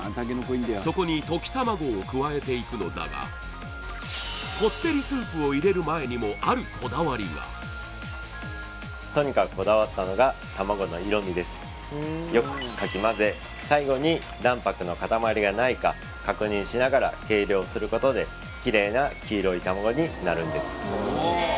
そこに溶きたまごを加えていくのだがこってりスープを入れる前にもあるこだわりがよくかき混ぜ最後に卵白の塊がないか確認しながら計量することできれいな黄色いたまごになるんです